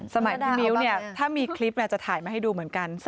สมัยพี่มิ้วเนี่ยถ้ามีคลิปจะถ่ายมาให้ดูเหมือนกัน